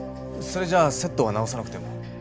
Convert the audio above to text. それじゃあセットは直さなくても。